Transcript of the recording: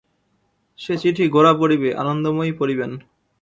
সে চিঠি গোরা পড়িবে, আনন্দময়ী পড়িবেন।